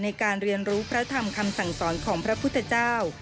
ในการเรียนรู้พระธรรมคำสั่งสอนของพระพุทธเจ้า